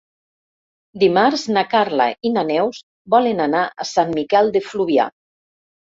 Dimarts na Carla i na Neus volen anar a Sant Miquel de Fluvià.